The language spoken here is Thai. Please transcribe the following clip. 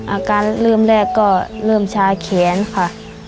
อาการเริ่มแรกก็เริ่มชาแขนค่ะ